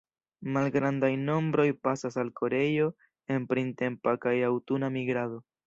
Malgrandaj nombroj pasas al Koreio en printempa kaj aŭtuna migrado.